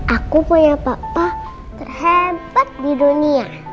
aku punya papa terhebat di dunia